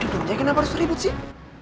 jaya kenapa harus terlibat sih